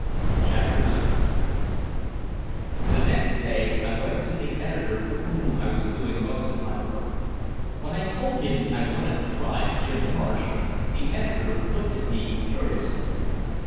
CHAPTER IX The next day I went to the editor for whom I was doing most of my work. When I told him I wanted to try Jim Marsh, the editor looked at me curiously.